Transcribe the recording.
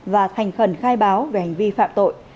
và thành khẩn khai báo về hành vi phạm tội